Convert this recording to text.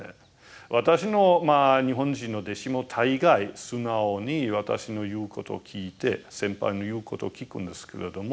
私のまあ日本人の弟子も大概素直に私の言うことを聞いて先輩の言うことを聞くんですけれども